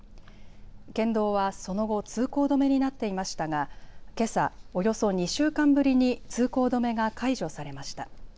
県道はその後、通行止めになっていましたがけさ、およそ２週間ぶりに通行止めが解除されました。